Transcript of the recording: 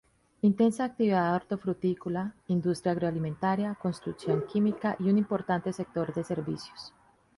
Intensa actividad hortofrutícola, industria agroalimentaria, construcción, química y un importante sector de servicios.